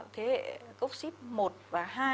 thế hệ cốc xíp một và hai